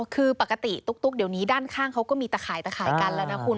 คือปกติตุ๊กเดี๋ยวนี้ด้านข้างเขาก็มีตะข่ายตะข่ายกันแล้วนะคุณ